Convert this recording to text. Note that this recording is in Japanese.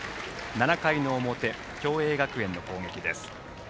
７回の表、共栄学園の攻撃。